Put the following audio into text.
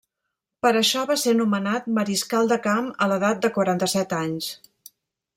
Per això, va ser nomenat mariscal de camp a l'edat de quaranta-set anys.